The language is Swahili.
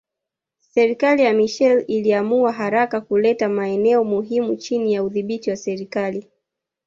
Serikali ya Machel iliamua haraka kuleta maeneo muhimu chini ya udhibiti wa serikali